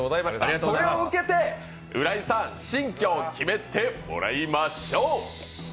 それを受けて浦井さん、新居を決めてもらいましょう。